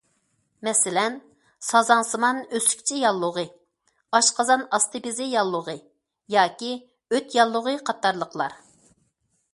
مەسىلەن، سازاڭسىمان ئۆسۈكچە ياللۇغى، ئاشقازان ئاستى بېزى ياللۇغى، ياكى ئۆت ياللۇغى قاتارلىقلار.